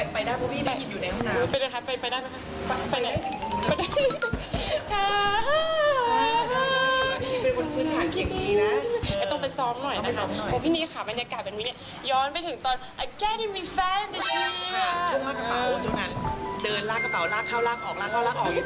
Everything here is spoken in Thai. ไปได้เพราะพี่ได้ยินอยู่ในห้องน้ำ